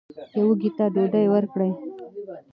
یو وږي ته ډوډۍ ورکړئ.